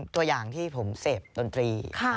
ตัวอย่างที่ผมเสพดนตรี